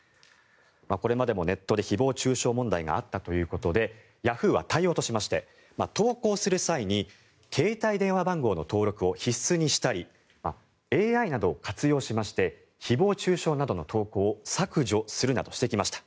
これまでもネットで誹謗・中傷問題があったということでヤフーは対応としまして投稿する際に携帯電話番号の登録を必須にしたりＡＩなどを活用しまして誹謗・中傷などの投稿を削除するなどしてきました。